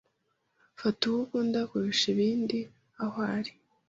Fata uwo ukunda kurusha ibindi, aho ari.